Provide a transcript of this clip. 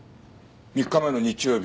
３日前の日曜日